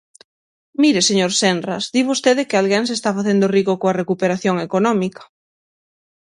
Mire, señor Senras, di vostede que alguén se está facendo rico coa recuperación económica.